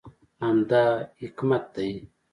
همدا حکمت دی.